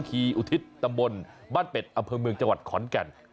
อุทิศตำบลบ้านเป็ดอำเภอเมืองจังหวัดขอนแก่น